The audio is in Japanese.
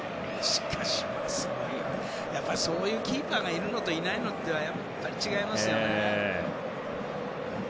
やはりそういうキーパーがいるのといないのとではやっぱり違いますよね。